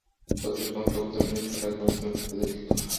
পত্রিকার সমস্ত পরিচালনা নিজ হাতে রাখ এবং তুমিই স্বত্বাধিকারী থাক।